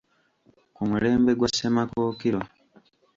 Ku mulembe gwa Ssemakookiro